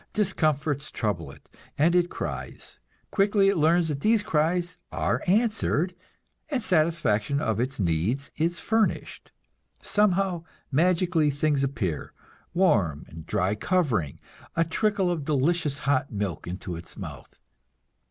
Discomforts trouble it, and it cries. Quickly it learns that these cries are answered, and satisfaction of its needs is furnished. Somehow, magically, things appear; warm and dry covering, a trickle of delicious hot milk into its mouth.